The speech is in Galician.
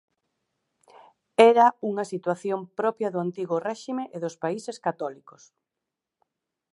Era unha situación propia do Antigo Réxime e dos países católicos.